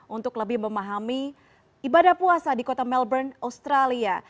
untuk lebih memahami ibadah puasa di kota melbourne australia